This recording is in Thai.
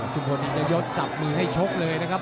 ชุมพลนี่จะยดสับมือให้ชกเลยนะครับ